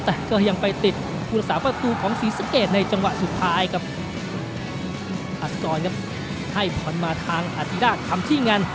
แต่ก็ยังไปติดภูตสาประตูของสีสะเอดในจังหวะสุดท้ายครับภาษากรครับให้ผ่อนมาทางอาธิราชทำที่งัน